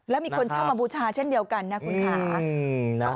แล้วมีคนเช่ามาบูชาเช่นเดียวกันนะคุณค่ะ